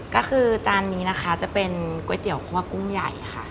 ก็คือจานนี้นะคะจะเป็นก๋วยเตี๋ยวคั่วกุ้งใหญ่ค่ะ